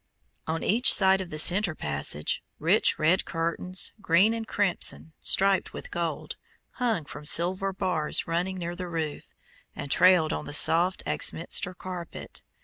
On each side of the center passage, rich rep curtains, green and crimson, striped with gold, hung from silver bars running near the roof, and trailed on the soft Axminster carpet.